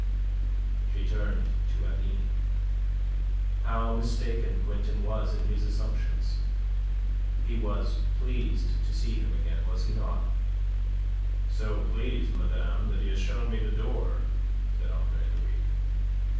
She turned to Aline. "How mistaken Quintin was in his assumptions. He was pleased to see him again, was he not?" "So pleased, madame, that he has shown me the door," said Andre Louis.